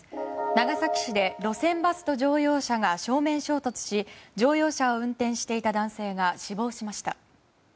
長崎市で路線バスと乗用車が正面衝突し乗用車を運転していた男性が死亡しました。